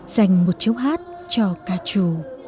dành một châu hát cho ca chủ